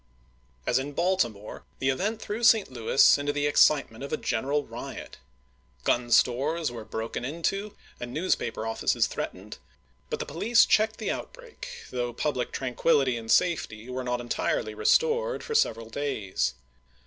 As in Baltimore, the event threw St. Louis into the excitement of a general riot. Gun stores were broken into and newspaper offices threatened ; but the police checked the outbreak, though public tranquillity and safety were not entirely restored for several days.